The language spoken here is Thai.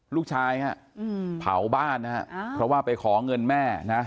ลูกชายฮะเผาบ้านนะฮะเพราะว่าไปขอเงินแม่นะ